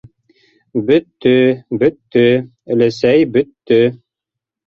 — Бөттө, бөттө, өләсәй, бөттө.